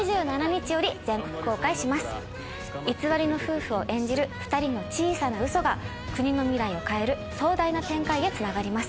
偽りの夫婦を演じる２人の小さなウソが国の未来を変える壮大な展開へつながります。